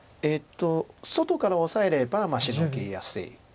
外からオサえればシノぎやすい。